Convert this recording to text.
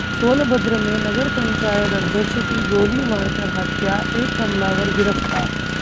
सोनभद्र में नगर पंचायत अध्यक्ष की गोली मारकर हत्या, एक हमलावर गिरफ्तार